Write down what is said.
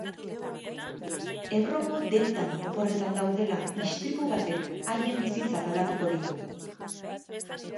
Ebroko deltan oporretan daudela, istripu batek haien bizitzak aldatuko ditu.